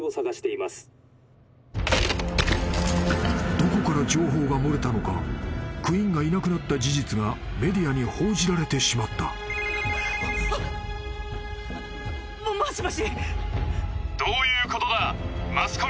［どこから情報が漏れたのかクインがいなくなった事実がメディアに報じられてしまった］もしもし？